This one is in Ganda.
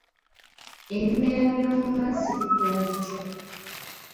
Ebimera by'omu mazzi bikula bitya?